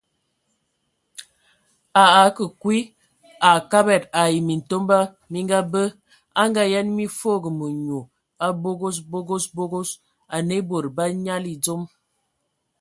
A a akǝ kwi a Kabad ai Mintomba mi ngabǝ, a Ngaayen mi foogo menyu, a bogos, bogos, bogos, anǝ e bod bə anyali dzom.